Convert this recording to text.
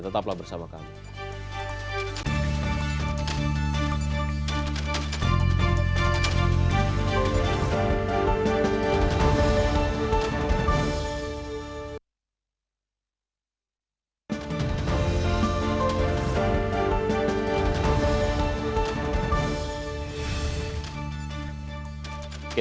tetaplah bersama kami